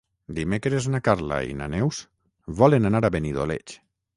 Dimecres na Carla i na Neus volen anar a Benidoleig.